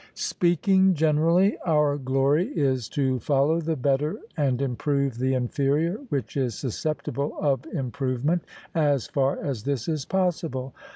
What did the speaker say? Speaking generally, our glory is to follow the better and improve the inferior, which is susceptible of improvement, as far as this is possible.